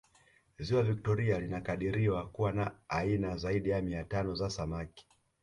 Ziwa Victoria linakadiriwa kuwa na aina zaidi ya mia tano za samaki